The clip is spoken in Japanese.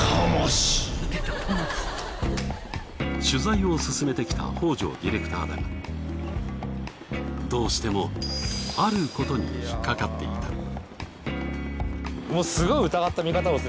取材を進めてきた北條ディレクターだがどうしてもあることに引っかかっていた。